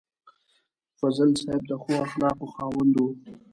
فضل صاحب د ښو اخلاقو خاوند و.